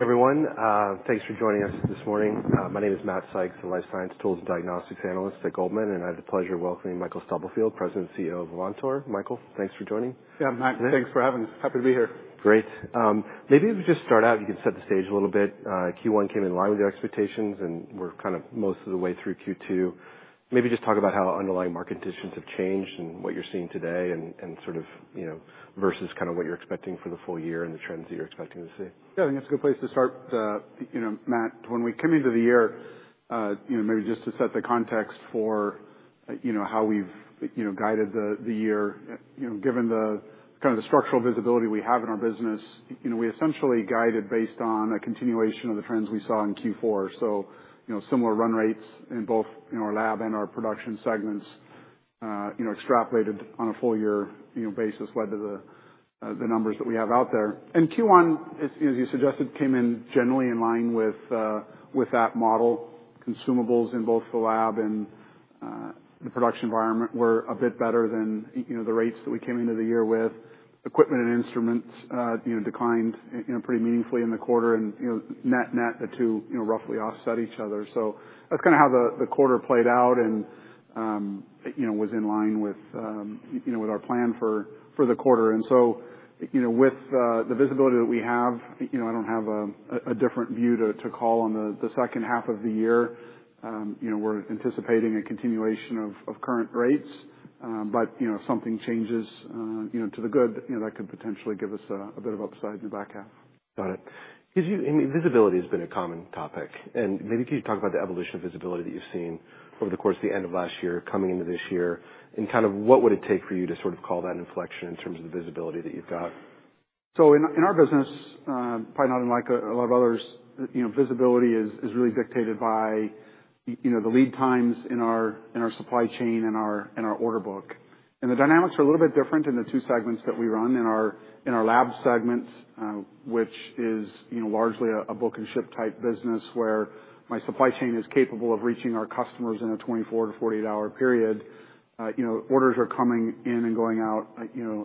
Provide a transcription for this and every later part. Everyone, thanks for joining us this morning. My name is Matt Sykes, a life science tools and diagnostics analyst at Goldman, and I have the pleasure of welcoming Michael Stubblefield, President and CEO of Avantor. Michael, thanks for joining. Yeah, thanks for having us. Happy to be here. Great. Maybe if we just start out, you can set the stage a little bit. Q1 came in line with your expectations, and we're kind of most of the way through Q2. Maybe just talk about how underlying market conditions have changed and what you're seeing today and sort of versus kind of what you're expecting for the full year and the trends that you're expecting to see. Yeah, I think that's a good place to start, Matt. When we came into the year, maybe just to set the context for how we've guided the year, given the kind of structural visibility we have in our business, we essentially guided based on a continuation of the trends we saw in Q4. So similar run rates in both our lab and our production segments extrapolated on a full-year basis led to the numbers that we have out there. And Q1, as you suggested, came in generally in line with that model. Consumables in both the lab and the production environment were a bit better than the rates that we came into the year with. Equipment and instruments declined pretty meaningfully in the quarter, and net-net, the two roughly offset each other. That's kind of how the quarter played out and was in line with our plan for the quarter. With the visibility that we have, I don't have a different view to call on the second half of the year. We're anticipating a continuation of current rates. But if something changes to the good, that could potentially give us a bit of upside in the back half. Got it. Visibility has been a common topic. Maybe could you talk about the evolution of visibility that you've seen over the course of the end of last year coming into this year? Kind of what would it take for you to sort of call that an inflection in terms of the visibility that you've got? In our business, probably not unlike a lot of others, visibility is really dictated by the lead times in our supply chain and our order book. The dynamics are a little bit different in the two segments that we run. In our lab segment, which is largely a book and ship type business where my supply chain is capable of reaching our customers in a 24-48-hour period, orders are coming in and going out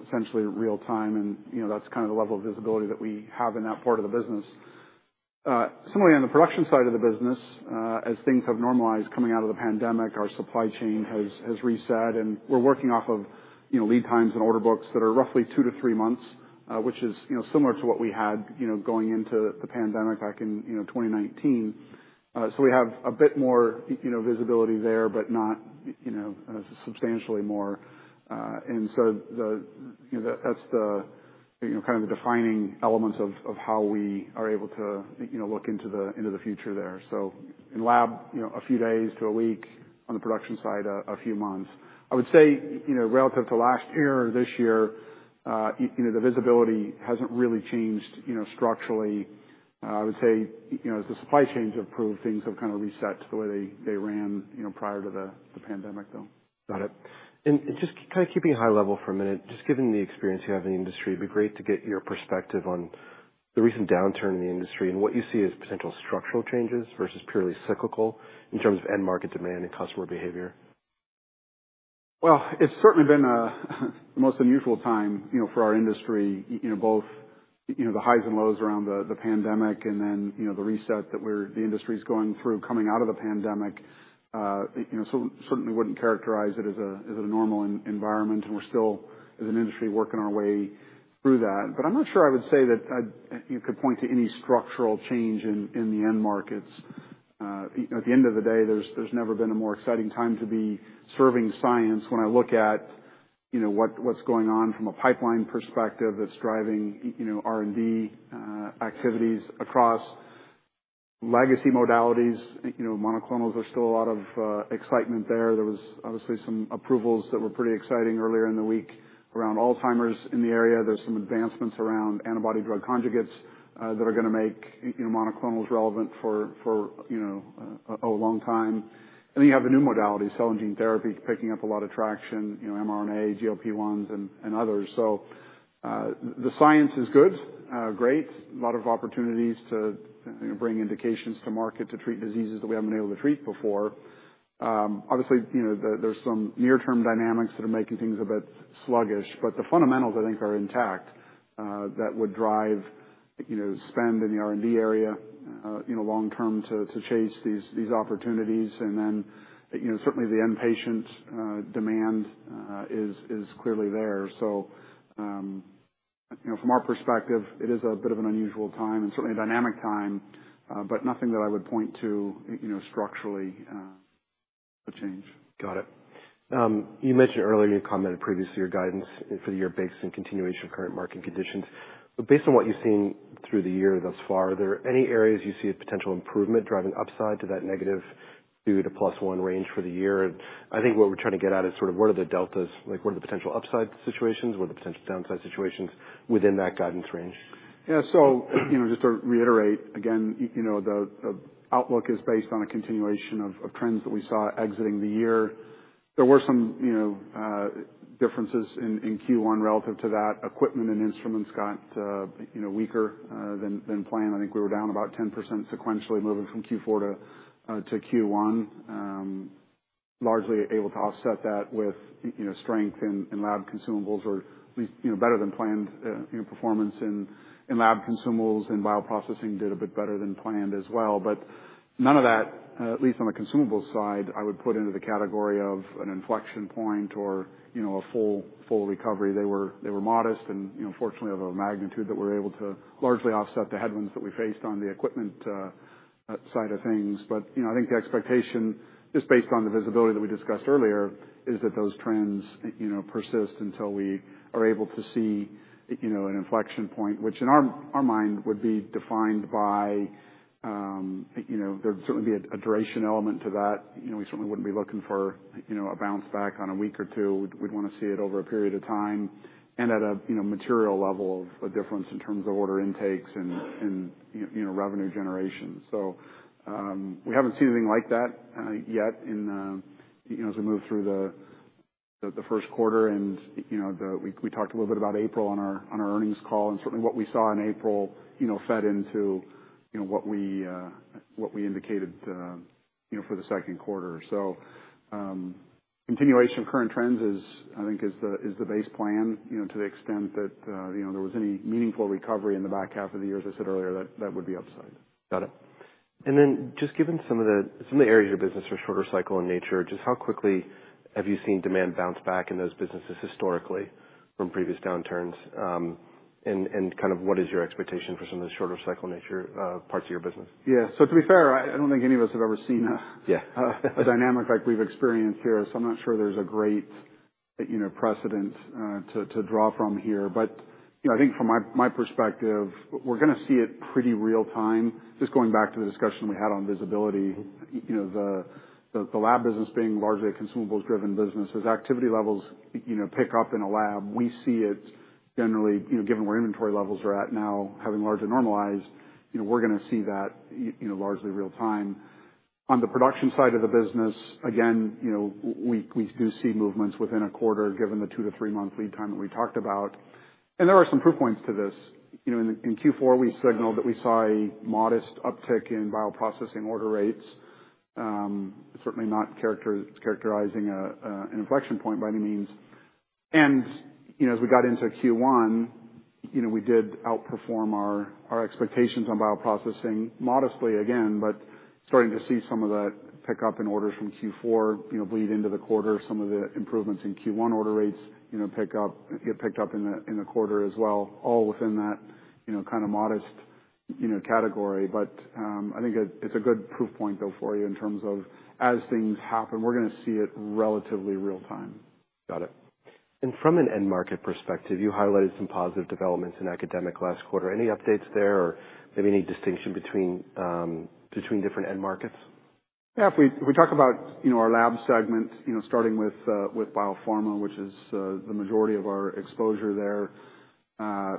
essentially real time. That's kind of the level of visibility that we have in that part of the business. Similarly, on the production side of the business, as things have normalized coming out of the pandemic, our supply chain has reset. And we're working off of lead times and order books that are roughly 2-3 months, which is similar to what we had going into the pandemic back in 2019. So we have a bit more visibility there, but not substantially more. And so that's kind of the defining elements of how we are able to look into the future there. So in lab, a few days to a week. On the production side, a few months. I would say relative to last year or this year, the visibility hasn't really changed structurally. I would say as the supply chains have proved, things have kind of reset the way they ran prior to the pandemic, though. Got it. Just kind of keeping a high level for a minute, just given the experience you have in the industry, it'd be great to get your perspective on the recent downturn in the industry and what you see as potential structural changes versus purely cyclical in terms of end market demand and customer behavior? Well, it's certainly been the most unusual time for our industry, both the highs and lows around the pandemic and then the reset that the industry's going through coming out of the pandemic. So certainly wouldn't characterize it as a normal environment. We're still, as an industry, working our way through that. But I'm not sure I would say that you could point to any structural change in the end markets. At the end of the day, there's never been a more exciting time to be serving science when I look at what's going on from a pipeline perspective that's driving R&D activities across legacy modalities. Monoclonals are still a lot of excitement there. There was obviously some approvals that were pretty exciting earlier in the week around Alzheimer's in the area. There's some advancements around Antibody-Drug Conjugates that are going to make monoclonals relevant for a long time. And then you have the new modalities, cell and gene therapy, picking up a lot of traction, mRNA, GLP-1s, and others. So the science is good, great. A lot of opportunities to bring indications to market to treat diseases that we haven't been able to treat before. Obviously, there's some near-term dynamics that are making things a bit sluggish. But the fundamentals, I think, are intact that would drive spend in the R&D area long-term to chase these opportunities. And then certainly the inpatient demand is clearly there. So from our perspective, it is a bit of an unusual time and certainly a dynamic time, but nothing that I would point to structurally a change. Got it. You mentioned earlier, you commented previously your guidance for the year based on continuation of current market conditions. But based on what you've seen through the year thus far, are there any areas you see a potential improvement driving upside to that -2 to +1 range for the year? And I think what we're trying to get at is sort of what are the deltas, like what are the potential upside situations, what are the potential downside situations within that guidance range? Yeah. So just to reiterate, again, the outlook is based on a continuation of trends that we saw exiting the year. There were some differences in Q1 relative to that. Equipment and instruments got weaker than planned. I think we were down about 10% sequentially moving from Q4 to Q1, largely able to offset that with strength in lab consumables or at least better than planned performance in lab consumables. And bioprocessing did a bit better than planned as well. But none of that, at least on the consumables side, I would put into the category of an inflection point or a full recovery. They were modest and fortunately of a magnitude that we're able to largely offset the headwinds that we faced on the equipment side of things. But I think the expectation, just based on the visibility that we discussed earlier, is that those trends persist until we are able to see an inflection point, which in our mind would be defined by there'd certainly be a duration element to that. We certainly wouldn't be looking for a bounce back on a week or two. We'd want to see it over a period of time and at a material level of a difference in terms of order intakes and revenue generation. So we haven't seen anything like that yet as we move through the Q1. And we talked a little bit about April on our earnings call. And certainly what we saw in April fed into what we indicated for the Q2. Continuation of current trends, I think, is the base plan. To the extent that there was any meaningful recovery in the back half of the years, I said earlier, that would be upside. Got it. And then just given some of the areas of your business are shorter cycle in nature, just how quickly have you seen demand bounce back in those businesses historically from previous downturns? And kind of what is your expectation for some of those shorter cycle nature parts of your business? Yeah. So to be fair, I don't think any of us have ever seen a dynamic like we've experienced here. So I'm not sure there's a great precedent to draw from here. But I think from my perspective, we're going to see it pretty real time. Just going back to the discussion we had on visibility, the lab business being largely a consumables-driven business, as activity levels pick up in a lab, we see it generally, given where inventory levels are at now, having largely normalized, we're going to see that largely real time. On the production side of the business, again, we do see movements within a quarter given the 2-3-month lead time that we talked about. And there are some proof points to this. In Q4, we signaled that we saw a modest uptick in bioprocessing order rates, certainly not characterizing an inflection point by any means. And as we got into Q1, we did outperform our expectations on bioprocessing modestly again, but starting to see some of that pick up in orders from Q4 bleed into the quarter. Some of the improvements in Q1 order rates get picked up in the quarter as well, all within that kind of modest category. But I think it's a good proof point, though, for you in terms of as things happen, we're going to see it relatively real time. Got it. From an end market perspective, you highlighted some positive developments in academic last quarter. Any updates there or maybe any distinction between different end markets? Yeah. If we talk about our lab segment, starting with biopharma, which is the majority of our exposure there, I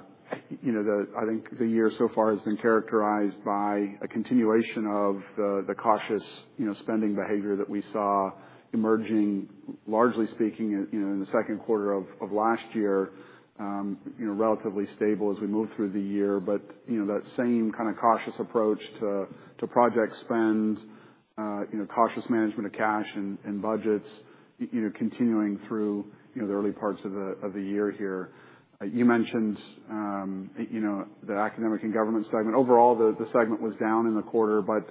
think the year so far has been characterized by a continuation of the cautious spending behavior that we saw emerging, largely speaking, in the Q2 of last year, relatively stable as we moved through the year. But that same kind of cautious approach to project spend, cautious management of cash and budgets, continuing through the early parts of the year here. You mentioned the academic and government segment. Overall, the segment was down in the quarter, but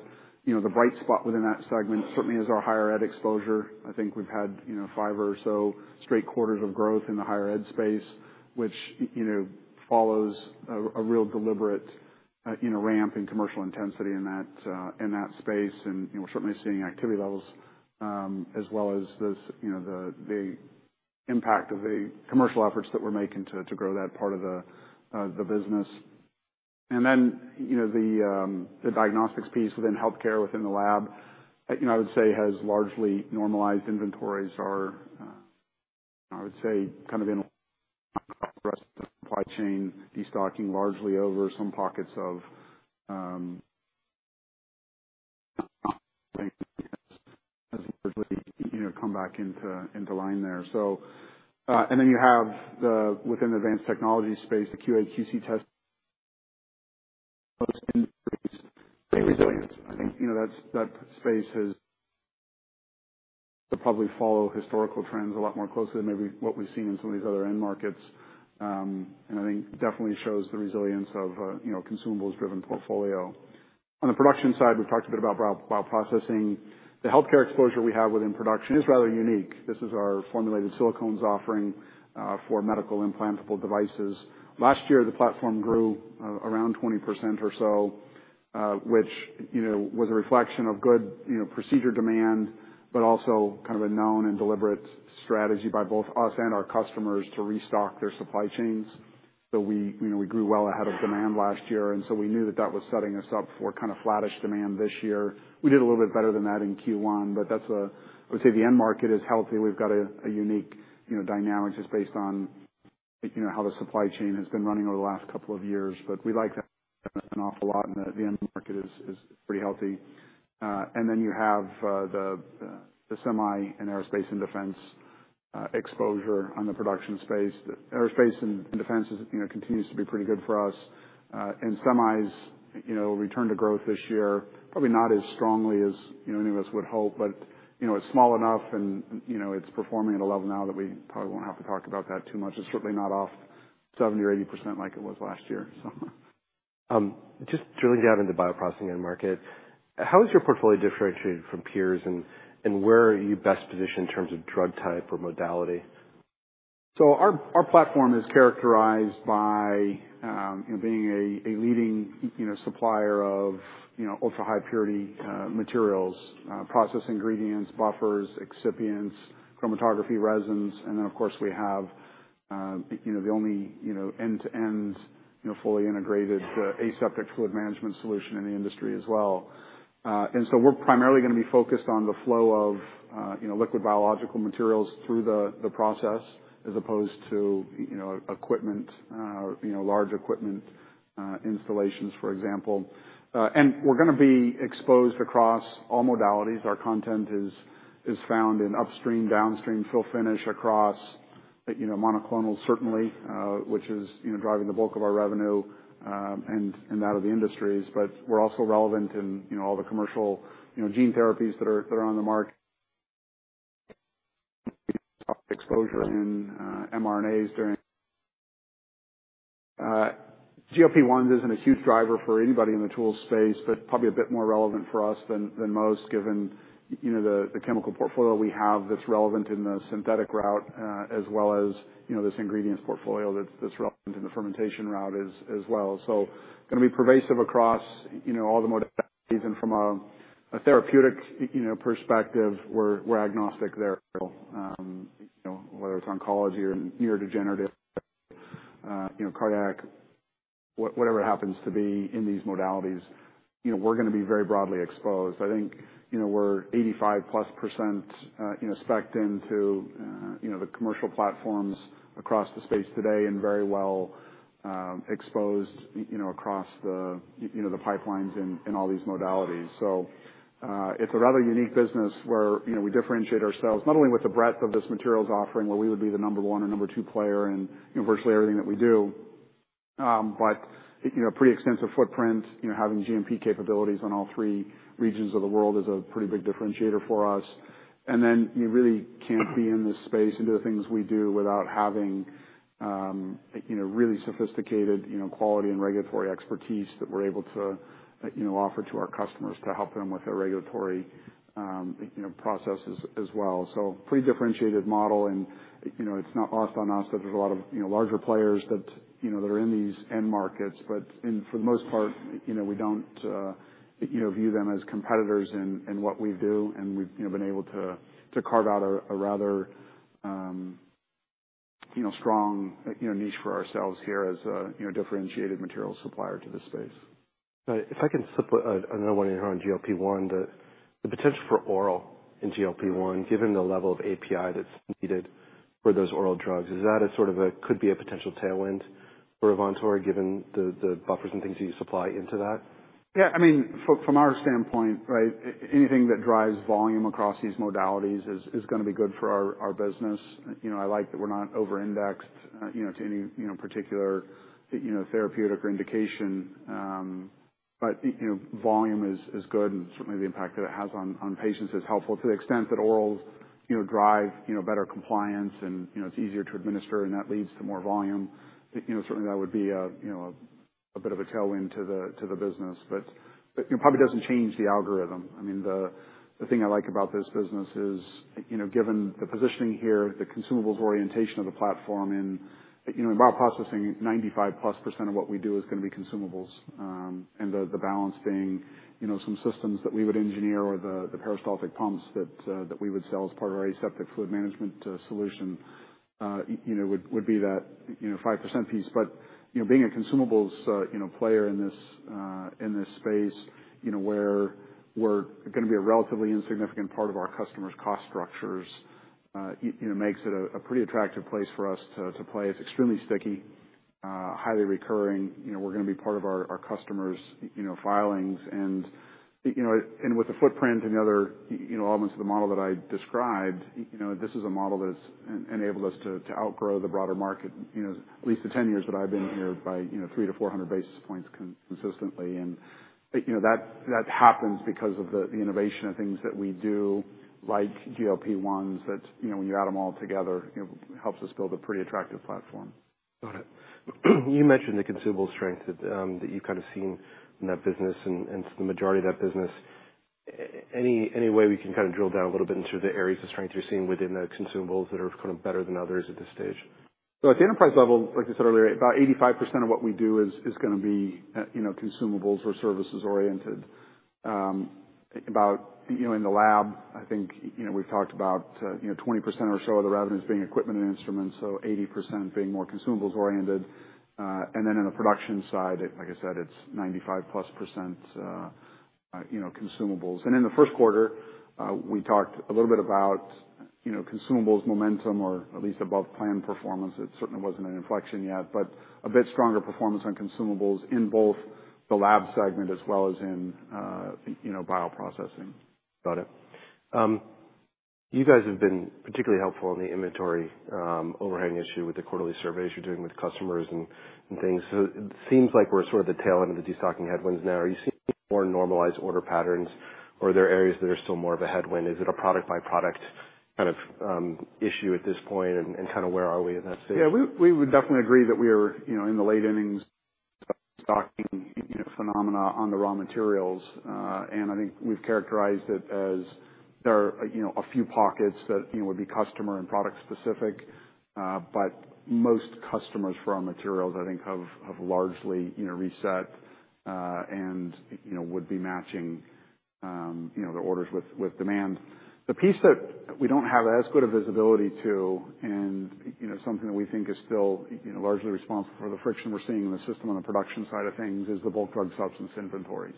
the bright spot within that segment certainly is our higher ed exposure. I think we've had five or so straight quarters of growth in the higher ed space, which follows a real deliberate ramp in commercial intensity in that space. And we're certainly seeing activity levels as well as the impact of the commercial efforts that we're making to grow that part of the business. And then the diagnostics piece within healthcare within the lab, I would say, has largely normalized. Inventories are, I would say, kind of in line with the rest of the supply chain, destocking largely over some pockets of not as largely come back into line there. And then you have within the advanced technology space, the QA/QC testing in most industries, resilience. I think that space has probably followed historical trends a lot more closely than maybe what we've seen in some of these other end markets. And I think definitely shows the resilience of a consumables-driven portfolio. On the production side, we've talked a bit about bioprocessing. The healthcare exposure we have within production is rather unique. This is our formulated silicones offering for medical implantable devices. Last year, the platform grew around 20% or so, which was a reflection of good procedure demand, but also kind of a known and deliberate strategy by both us and our customers to restock their supply chains. So we grew well ahead of demand last year. And so we knew that that was setting us up for kind of flattish demand this year. We did a little bit better than that in Q1, but I would say the end market is healthy. We've got a unique dynamic just based on how the supply chain has been running over the last couple of years. But we like that an awful lot, and the end market is pretty healthy. And then you have the semi and aerospace and defense exposure on the production space. Aerospace and defense continues to be pretty good for us. Semis return to growth this year, probably not as strongly as any of us would hope, but it's small enough and it's performing at a level now that we probably won't have to talk about that too much. It's certainly not off 70% or 80% like it was last year, so. Just drilling down into bioprocessing end market, how is your portfolio differentiated from peers and where are you best positioned in terms of drug type or modality? So our platform is characterized by being a leading supplier of ultra-high purity materials, process ingredients, buffers, excipients, chromatography resins. And then, of course, we have the only end-to-end fully integrated aseptic fluid management solution in the industry as well. And so we're primarily going to be focused on the flow of liquid biological materials through the process as opposed to equipment, large equipment installations, for example. And we're going to be exposed across all modalities. Our content is found in upstream, downstream, fill-finish across monoclonals, certainly, which is driving the bulk of our revenue and that of the industries. But we're also relevant in all the commercial gene therapies that are on the market. Exposure in mRNAs during GLP-1s isn't a huge driver for anybody in the tool space, but probably a bit more relevant for us than most, given the chemical portfolio we have that's relevant in the synthetic route as well as this ingredients portfolio that's relevant in the fermentation route as well. So going to be pervasive across all the modalities. And from a therapeutic perspective, we're agnostic there, whether it's oncology or neurodegenerative, cardiac, whatever it happens to be in these modalities. We're going to be very broadly exposed. I think we're 85+% specked into the commercial platforms across the space today and very well exposed across the pipelines in all these modalities. So it's a rather unique business where we differentiate ourselves not only with the breadth of this materials offering, where we would be the number one or number two player in virtually everything that we do, but a pretty extensive footprint. Having GMP capabilities on all three regions of the world is a pretty big differentiator for us. And then you really can't be in this space and do the things we do without having really sophisticated quality and regulatory expertise that we're able to offer to our customers to help them with their regulatory processes as well. So pretty differentiated model. And it's not lost on us that there's a lot of larger players that are in these end markets. But for the most part, we don't view them as competitors in what we do. We've been able to carve out a rather strong niche for ourselves here as a differentiated materials supplier to this space. If I can slip another one in here on GLP-1, the potential for oral in GLP-1, given the level of API that's needed for those oral drugs, is that a sort of a could be a potential tailwind for Avantor given the buffers and things that you supply into that? Yeah. I mean, from our standpoint, right, anything that drives volume across these modalities is going to be good for our business. I like that we're not over-indexed to any particular therapeutic or indication. But volume is good, and certainly the impact that it has on patients is helpful to the extent that orals drive better compliance and it's easier to administer, and that leads to more volume. Certainly, that would be a bit of a tailwind to the business, but it probably doesn't change the algorithm. I mean, the thing I like about this business is, given the positioning here, the consumables orientation of the platform in bioprocessing, 95%+ of what we do is going to be consumables. The balance being some systems that we would engineer or the peristaltic pumps that we would sell as part of our aseptic fluid management solution would be that 5% piece. But being a consumables player in this space, where we're going to be a relatively insignificant part of our customers' cost structures, makes it a pretty attractive place for us to play. It's extremely sticky, highly recurring. We're going to be part of our customers' filings. With the footprint and the other elements of the model that I described, this is a model that's enabled us to outgrow the broader market, at least the 10 years that I've been here, by 300-400 basis points consistently. That happens because of the innovation of things that we do, like GLP-1s, that when you add them all together, helps us build a pretty attractive platform. Got it. You mentioned the consumable strength that you've kind of seen in that business and the majority of that business. Any way we can kind of drill down a little bit into the areas of strength you're seeing within the consumables that are kind of better than others at this stage? So at the enterprise level, like I said earlier, about 85% of what we do is going to be consumables or services-oriented. In the lab, I think we've talked about 20% or so of the revenues being equipment and instruments, so 80% being more consumables-oriented. And then on the production side, like I said, it's 95%+ consumables. And in the Q1, we talked a little bit about consumables momentum or at least above planned performance. It certainly wasn't an inflection yet, but a bit stronger performance on consumables in both the lab segment as well as in bioprocessing. Got it. You guys have been particularly helpful on the inventory overhang issue with the quarterly surveys you're doing with customers and things. So it seems like we're sort of the tail end of the destocking headwinds now. Are you seeing more normalized order patterns, or are there areas that are still more of a headwind? Is it a product-by-product kind of issue at this point, and kind of where are we in that space? Yeah. We would definitely agree that we are in the late innings of stocking phenomena on the raw materials. And I think we've characterized it as there are a few pockets that would be customer and product-specific, but most customers for our materials, I think, have largely reset and would be matching their orders with demand. The piece that we don't have as good a visibility to, and something that we think is still largely responsible for the friction we're seeing in the system on the production side of things, is the bulk drug substance inventories.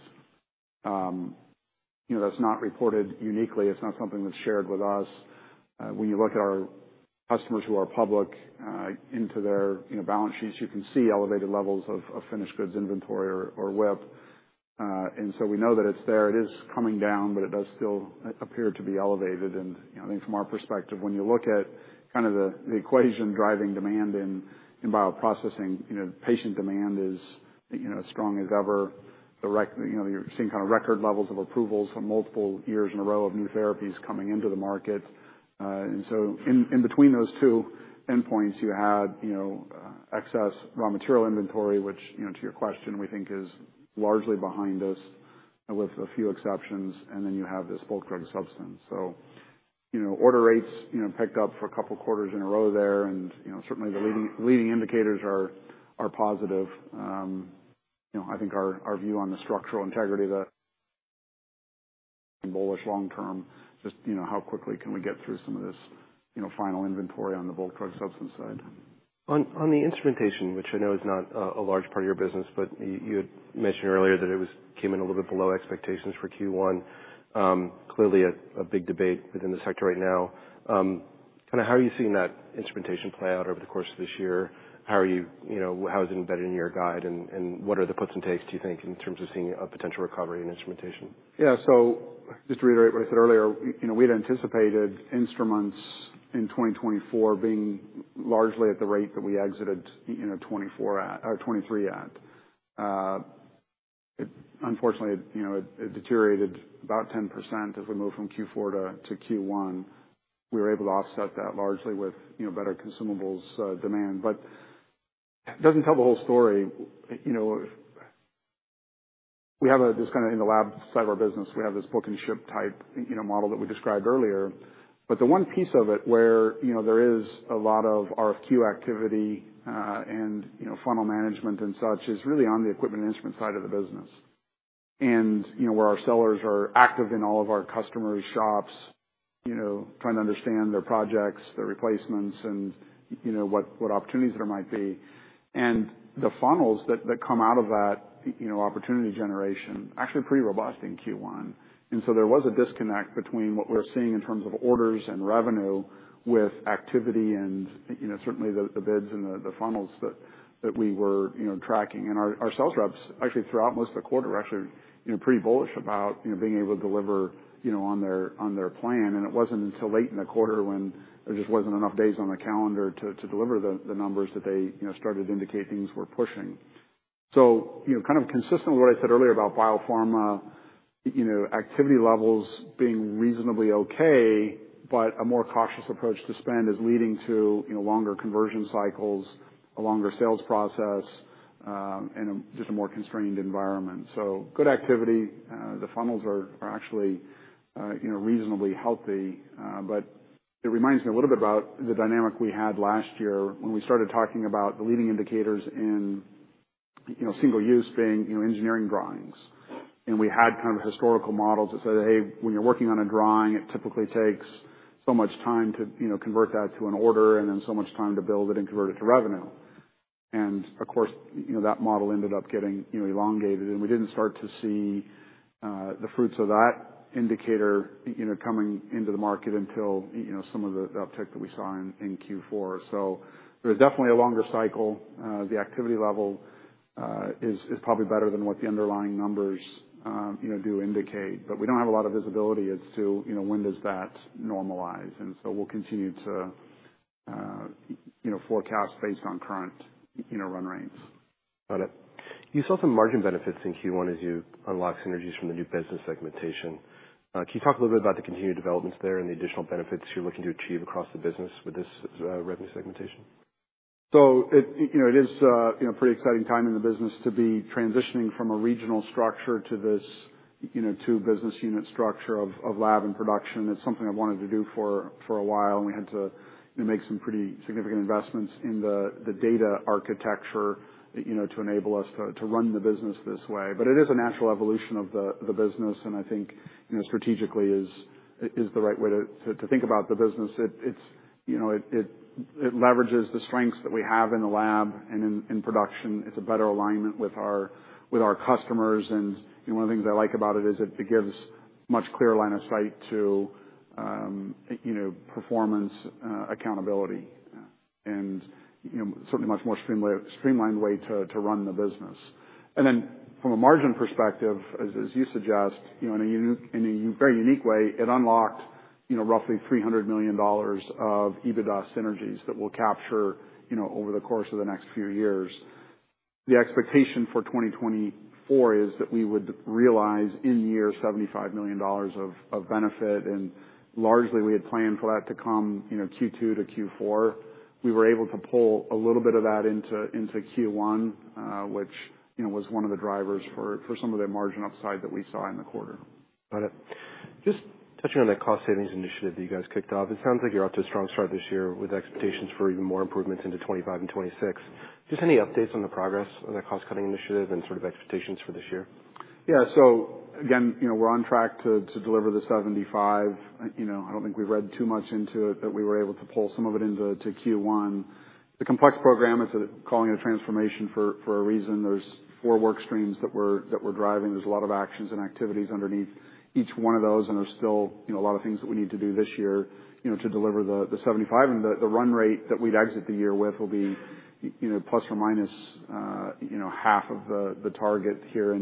That's not reported uniquely. It's not something that's shared with us. When you look at our customers who are public, into their balance sheets, you can see elevated levels of finished goods inventory or WIP. And so we know that it's there. It is coming down, but it does still appear to be elevated. I think from our perspective, when you look at kind of the equation driving demand in bioprocessing, patient demand is as strong as ever. You're seeing kind of record levels of approvals for multiple years in a row of new therapies coming into the market. So in between those two endpoints, you have excess raw material inventory, which to your question, we think is largely behind us with a few exceptions. Then you have this bulk drug substance. So order rates picked up for a couple of quarters in a row there. And certainly, the leading indicators are positive. I think our view on the structural integrity of that is bullish long term, just how quickly can we get through some of this final inventory on the bulk drug substance side? On the instrumentation, which I know is not a large part of your business, but you had mentioned earlier that it came in a little bit below expectations for Q1. Clearly, a big debate within the sector right now. Kind of how are you seeing that instrumentation play out over the course of this year? How is it embedded in your guide, and what are the puts and takes, do you think, in terms of seeing a potential recovery in instrumentation? Yeah. So just to reiterate what I said earlier, we had anticipated instruments in 2024 being largely at the rate that we exited 2023 at. Unfortunately, it deteriorated about 10% as we moved from Q4 to Q1. We were able to offset that largely with better consumables demand. But it doesn't tell the whole story. We have this kind of in the lab side of our business, we have this book and ship type model that we described earlier. But the one piece of it where there is a lot of RFQ activity and funnel management and such is really on the equipment and instrument side of the business, and where our sellers are active in all of our customers' shops, trying to understand their projects, their replacements, and what opportunities there might be. And the funnels that come out of that opportunity generation are actually pretty robust in Q1. And so there was a disconnect between what we're seeing in terms of orders and revenue with activity and certainly the bids and the funnels that we were tracking. And our sales reps, actually throughout most of the quarter, were actually pretty bullish about being able to deliver on their plan. And it wasn't until late in the quarter when there just wasn't enough days on the calendar to deliver the numbers that they started to indicate things were pushing. So kind of consistent with what I said earlier about biopharma, activity levels being reasonably okay, but a more cautious approach to spend is leading to longer conversion cycles, a longer sales process, and just a more constrained environment. So good activity. The funnels are actually reasonably healthy. But it reminds me a little bit about the dynamic we had last year when we started talking about the leading indicators in single use being engineering drawings. And we had kind of historical models that said, "Hey, when you're working on a drawing, it typically takes so much time to convert that to an order and then so much time to build it and convert it to revenue." And of course, that model ended up getting elongated. And we didn't start to see the fruits of that indicator coming into the market until some of the uptick that we saw in Q4. So there's definitely a longer cycle. The activity level is probably better than what the underlying numbers do indicate. But we don't have a lot of visibility as to when does that normalize. And so we'll continue to forecast based on current run rates. Got it. You saw some margin benefits in Q1 as you unlocked synergies from the new business segmentation. Can you talk a little bit about the continued developments there and the additional benefits you're looking to achieve across the business with this revenue segmentation? It is a pretty exciting time in the business to be transitioning from a regional structure to this two-business unit structure of lab and production. It's something I've wanted to do for a while. We had to make some pretty significant investments in the data architecture to enable us to run the business this way. But it is a natural evolution of the business. I think strategically is the right way to think about the business. It leverages the strengths that we have in the lab and in production. It's a better alignment with our customers. One of the things I like about it is it gives much clearer line of sight to performance accountability and certainly a much more streamlined way to run the business. Then from a margin perspective, as you suggest, in a very unique way, it unlocked roughly $300 million of EBITDA synergies that we'll capture over the course of the next few years. The expectation for 2024 is that we would realize in year $75 million of benefit. Largely, we had planned for that to come Q2 to Q4. We were able to pull a little bit of that into Q1, which was one of the drivers for some of the margin upside that we saw in the quarter. Got it. Just touching on that cost savings initiative that you guys kicked off, it sounds like you're off to a strong start this year with expectations for even more improvements into 2025 and 2026. Just any updates on the progress of that cost-cutting initiative and sort of expectations for this year? Yeah. So again, we're on track to deliver the $75. I don't think we've read too much into it that we were able to pull some of it into Q1. The complex program is calling it a transformation for a reason. There's four work streams that we're driving. There's a lot of actions and activities underneath each one of those. And there's still a lot of things that we need to do this year to deliver the $75. And the run rate that we'd exit the year with will be plus or minus half of the target here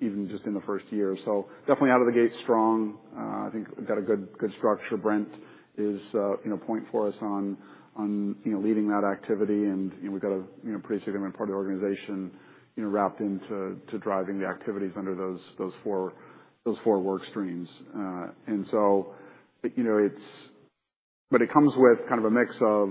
even just in the first year. So definitely out of the gate, strong. I think we've got a good structure. Brent is a point for us on leading that activity. And we've got a pretty significant part of the organization wrapped into driving the activities under those four work streams. And so it comes with kind of a mix of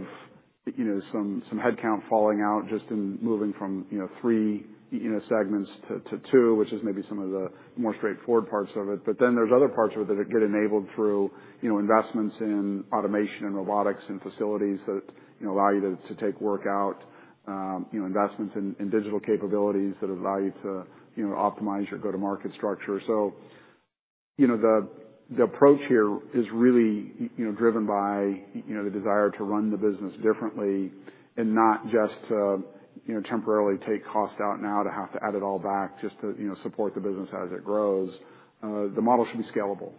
some headcount falling out just in moving from three segments to two, which is maybe some of the more straightforward parts of it. But then there's other parts of it that get enabled through investments in automation and robotics and facilities that allow you to take work out, investments in digital capabilities that allow you to optimize your go-to-market structure. So the approach here is really driven by the desire to run the business differently and not just to temporarily take cost out now to have to add it all back just to support the business as it grows. The model should be scalable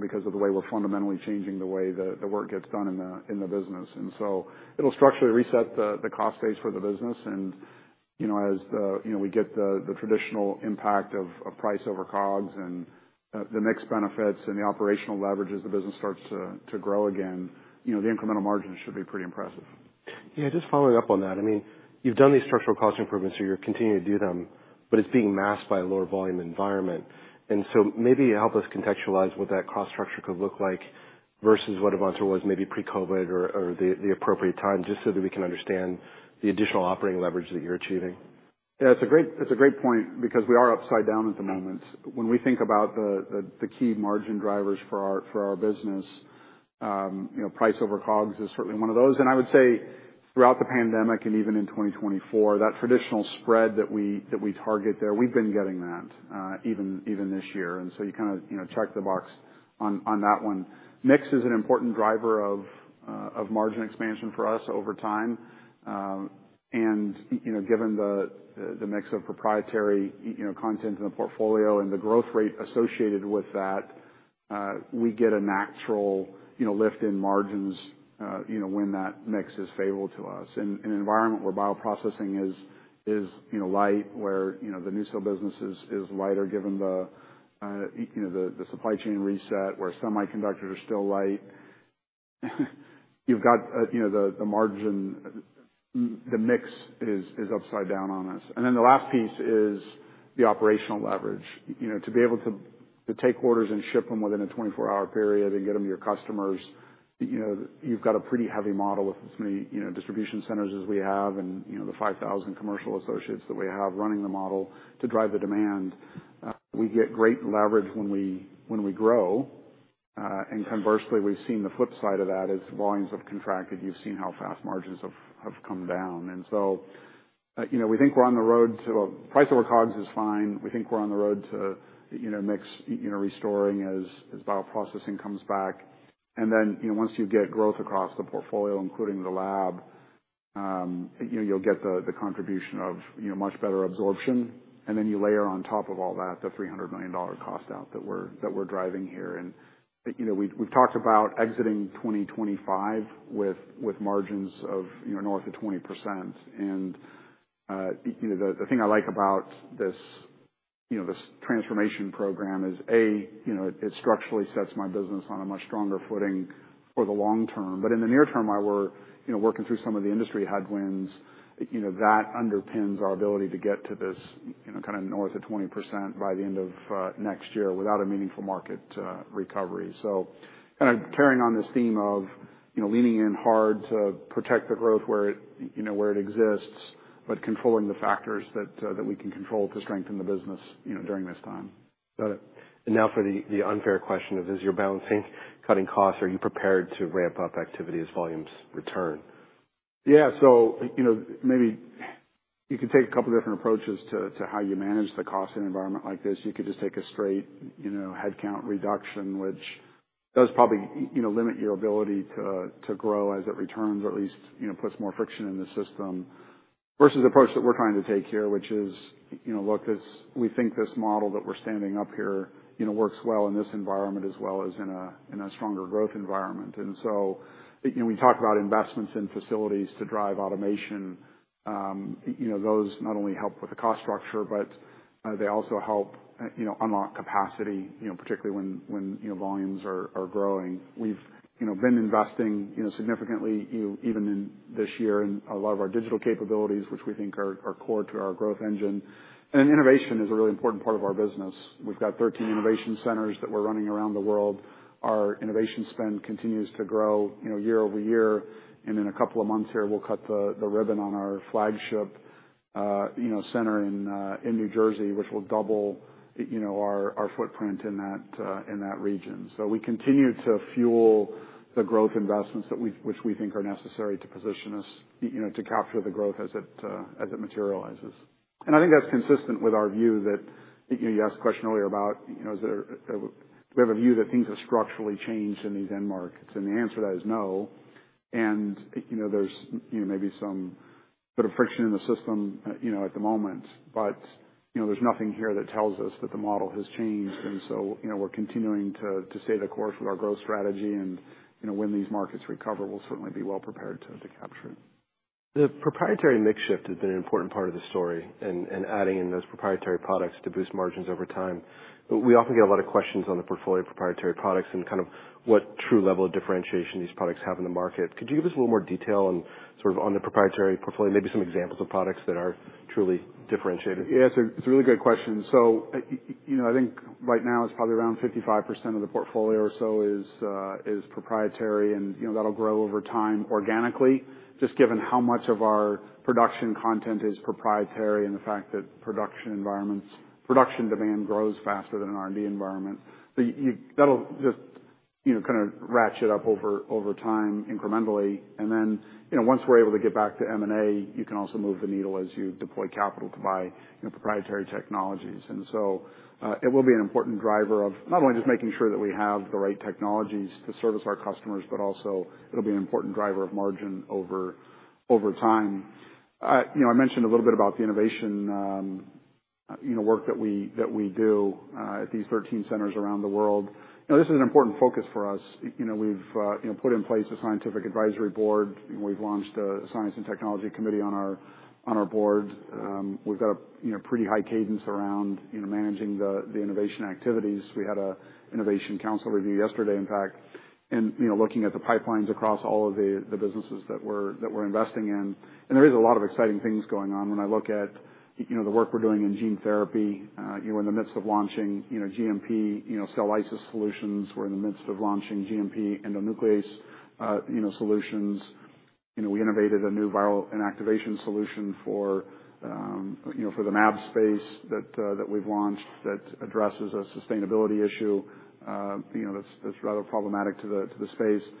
because of the way we're fundamentally changing the way the work gets done in the business. And so it'll structurally reset the cost base for the business. As we get the traditional impact of price over COGS and the mixed benefits and the operational leverages, the business starts to grow again. The incremental margin should be pretty impressive. Yeah. Just following up on that, I mean, you've done these structural cost improvements, or you're continuing to do them, but it's being masked by a lower volume environment. And so maybe help us contextualize what that cost structure could look like versus what Avantor was maybe pre-COVID or the appropriate time, just so that we can understand the additional operating leverage that you're achieving. Yeah. It's a great point because we are upside down at the moment. When we think about the key margin drivers for our business, price over cogs is certainly one of those. And I would say throughout the pandemic and even in 2024, that traditional spread that we target there, we've been getting that even this year. And so you kind of check the box on that one. Mix is an important driver of margin expansion for us over time. And given the mix of proprietary content in the portfolio and the growth rate associated with that, we get a natural lift in margins when that mix is favorable to us. In an environment where bioprocessing is light, where the NuSil business is lighter given the supply chain reset, where semiconductors are still light, you've got the margin, the mix is upside down on us. The last piece is the operational leverage. To be able to take orders and ship them within a 24-hour period and get them to your customers, you've got a pretty heavy model with as many distribution centers as we have and the 5,000 commercial associates that we have running the model to drive the demand. We get great leverage when we grow. Conversely, we've seen the flip side of that is volumes have contracted. You've seen how fast margins have come down. So we think we're on the road to price over COGS is fine. We think we're on the road to mix restoring as bioprocessing comes back. Then once you get growth across the portfolio, including the lab, you'll get the contribution of much better absorption. Then you layer on top of all that the $300 million cost out that we're driving here. We've talked about exiting 2025 with margins of north of 20%. The thing I like about this transformation program is, A, it structurally sets my business on a much stronger footing for the long term. In the near term, while we're working through some of the industry headwinds, that underpins our ability to get to this kind of north of 20% by the end of next year without a meaningful market recovery. Kind of carrying on this theme of leaning in hard to protect the growth where it exists, but controlling the factors that we can control to strengthen the business during this time. Got it. Now for the unfair question of, as you're balancing cutting costs, are you prepared to ramp up activity as volumes return? Yeah. So maybe you could take a couple of different approaches to how you manage the cost in an environment like this. You could just take a straight headcount reduction, which does probably limit your ability to grow as it returns or at least puts more friction in the system versus the approach that we're trying to take here, which is, look, we think this model that we're standing up here works well in this environment as well as in a stronger growth environment. And so we talk about investments in facilities to drive automation. Those not only help with the cost structure, but they also help unlock capacity, particularly when volumes are growing. We've been investing significantly even this year in a lot of our digital capabilities, which we think are core to our growth engine. And innovation is a really important part of our business. We've got 13 innovation centers that we're running around the world. Our innovation spend continues to grow year-over-year. In a couple of months here, we'll cut the ribbon on our flagship center in New Jersey, which will double our footprint in that region. We continue to fuel the growth investments which we think are necessary to position us to capture the growth as it materializes. I think that's consistent with our view that you asked a question earlier about, do we have a view that things have structurally changed in these end markets? The answer to that is no. There's maybe some bit of friction in the system at the moment, but there's nothing here that tells us that the model has changed. We're continuing to stay the course with our growth strategy. When these markets recover, we'll certainly be well prepared to capture it. The proprietary mix shift has been an important part of the story and adding in those proprietary products to boost margins over time. We often get a lot of questions on the portfolio of proprietary products and kind of what true level of differentiation these products have in the market. Could you give us a little more detail on sort of the proprietary portfolio, maybe some examples of products that are truly differentiated? Yeah. It's a really good question. So I think right now it's probably around 55% of the portfolio or so is proprietary. And that'll grow over time organically, just given how much of our production content is proprietary and the fact that production demand grows faster than an R&D environment. That'll just kind of ratchet up over time incrementally. And then once we're able to get back to M&A, you can also move the needle as you deploy capital to buy proprietary technologies. And so it will be an important driver of not only just making sure that we have the right technologies to service our customers, but also it'll be an important driver of margin over time. I mentioned a little bit about the innovation work that we do at these 13 centers around the world. This is an important focus for us. We've put in place a scientific advisory board. We've launched a science and technology committee on our board. We've got a pretty high cadence around managing the innovation activities. We had an innovation council review yesterday, in fact, and looking at the pipelines across all of the businesses that we're investing in. And there is a lot of exciting things going on. When I look at the work we're doing in gene therapy, we're in the midst of launching GMP cell lysis solutions. We're in the midst of launching GMP endonuclease solutions. We innovated a new viral inactivation solution for the mAb space that we've launched that addresses a sustainability issue that's rather problematic to the space.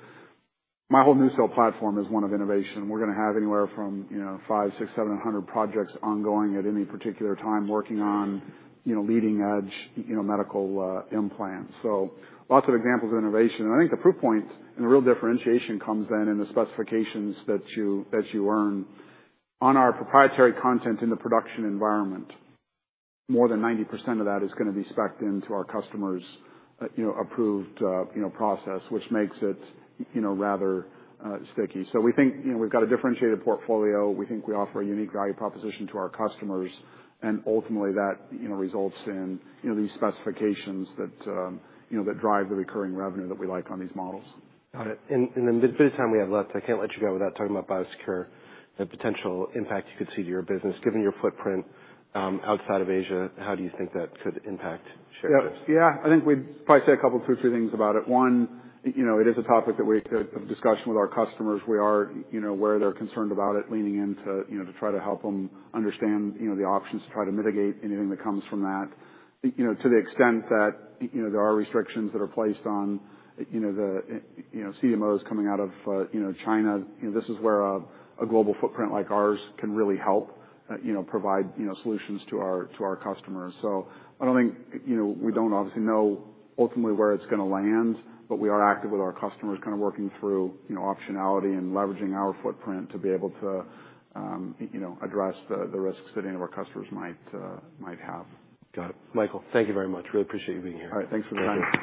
My whole NuSil platform is one of innovation. We're going to have anywhere from 5, 6, 7, or 100 projects ongoing at any particular time working on leading-edge medical implants. Lots of examples of innovation. I think the proof point and the real differentiation comes then in the specifications that you earn on our proprietary content in the production environment. More than 90% of that is going to be specced into our customers' approved process, which makes it rather sticky. We think we've got a differentiated portfolio. We think we offer a unique value proposition to our customers. Ultimately, that results in these specifications that drive the recurring revenue that we like on these models. Got it. In the bit of time we have left, I can't let you go without talking about BIOSECURE and the potential impact you could see to your business. Given your footprint outside of Asia, how do you think that could impact share? Yeah. I think we'd probably say a couple of 2, 3 things about it. One, it is a topic that we have discussion with our customers. We are aware they're concerned about it, leaning in to try to help them understand the options to try to mitigate anything that comes from that to the extent that there are restrictions that are placed on the CMOs coming out of China. This is where a global footprint like ours can really help provide solutions to our customers. So I don't think we don't obviously know ultimately where it's going to land, but we are active with our customers kind of working through optionality and leveraging our footprint to be able to address the risks that any of our customers might have. Got it. Michael, thank you very much. Really appreciate you being here. All right. Thanks for the time.